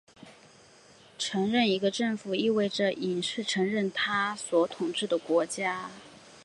承认一个政府意味着隐式承认它所统治的国家。